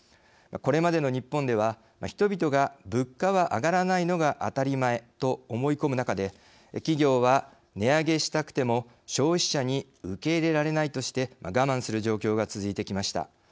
これまでの日本では人々が物価は上がらないのが当たり前と思い込む中で企業は値上げしたくても消費者に受け入れられないとして我慢する状況が続いてきました。